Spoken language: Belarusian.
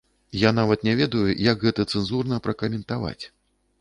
Я нават не ведаю, як гэта цэнзурна пракаментаваць.